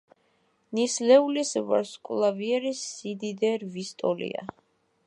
ნისლეულის ვარსკვლავიერი სიდიდე რვის ტოლია.